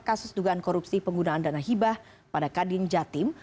kasus dugaan korupsi penggunaan dana hibah pada kadin jatim